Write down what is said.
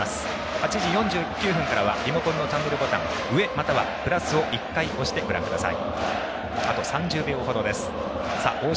８時４９分からはリモコンのチャンネルボタン上またはプラスを１回押してご覧ください。